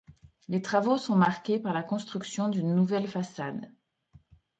Les travaux sont marqués par la construction d'une nouvelle façade.